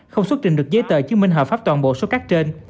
không xuất trình được giấy tờ chứng minh hợp pháp toàn bộ số cát trên